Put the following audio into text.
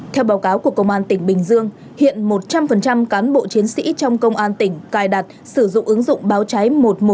theo báo cáo của công an tp hcm hiện một trăm linh cán bộ chiến sĩ trong công an tp hcm cài đặt sử dụng ứng dụng báo cháy một trăm một mươi bốn